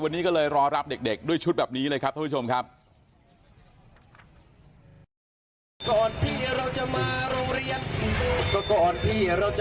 วันนี้ก็เลยรอรับเด็กด้วยชุดแบบนี้เลยครับท่านผู้ชมครับ